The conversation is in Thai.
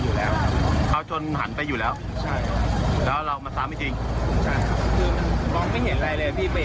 ชนช้ำตอนนั้นพี่อยู่ในรถใช่ไหม